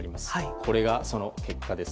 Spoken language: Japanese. それが、その結果です。